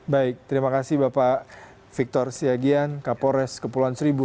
baik terima kasih bapak victor siagian kapolres kepulauan seribu